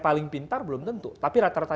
masih tidak ada electrolyte badan